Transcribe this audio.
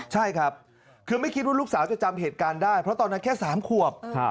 ใช่ครับคือไม่คิดว่าลูกสาวจะจำเหตุการณ์ได้เพราะตอนนั้นแค่๓ขวบ